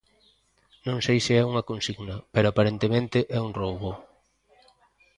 Non sei se é unha consigna, pero aparentemente é un roubo.